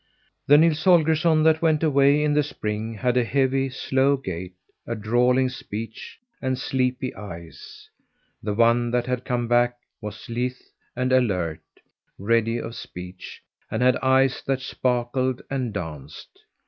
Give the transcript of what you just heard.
The Nils Holgersson that went away in the spring had a heavy, slow gait, a drawling speech, and sleepy eyes. The one that had come back was lithe and alert, ready of speech, and had eyes that sparkled and danced.